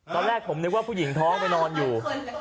ตอนแรกผมนึกว่าผู้หญิงท้องไปนอนอยู่